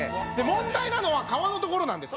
問題なのは皮のところなんです。